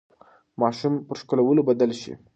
ماشوم پر ښکلولو بدل شي.